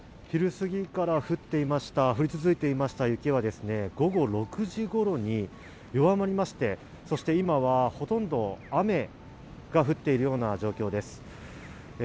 昼過ぎから降り続いていました雪は午後６時ごろに弱まりまして今は、ほとんど雨が降っているような状況です。